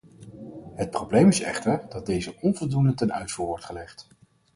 Het probleem is echter dat deze onvoldoende ten uitvoer wordt gelegd.